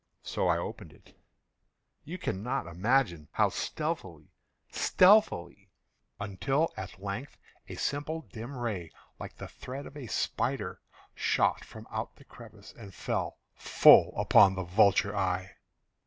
So I opened it—you cannot imagine how stealthily, stealthily—until, at length a simple dim ray, like the thread of the spider, shot from out the crevice and fell full upon the vulture eye.